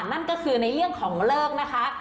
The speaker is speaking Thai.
นั่นก็คือในเรื่องของเลิกนะคะ